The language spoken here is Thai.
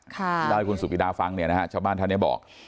เล่าให้คุณสุฟีดาฟังชาวบ้านท่านเนี่ยบอก